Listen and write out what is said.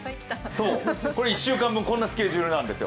１週間分、こんなスケジュールなんですよ。